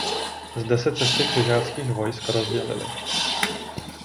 Zde se cesty křižáckých vojsk rozdělily.